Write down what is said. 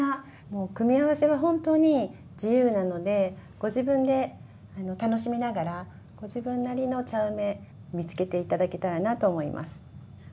もう組み合わせは本当に自由なのでご自分で楽しみながらご自分なりの茶梅見つけて頂けたらなと思います。